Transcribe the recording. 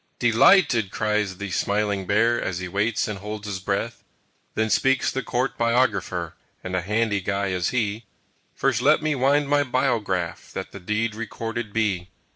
"Dee lighted!" cries the smiling Bear, As he waits and holds his breath. Then speaks the Court Biographer, And a handy guy is he, "First let me wind my biograph, That the deed recorded be."